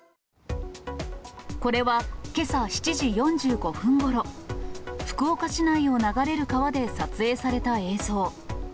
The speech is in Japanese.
これは、けさ７時４５分ごろ、福岡市内を流れる川で撮影された映像。